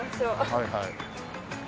はいはい。